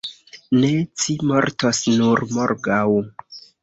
Ne, ci mortos nur morgaŭ.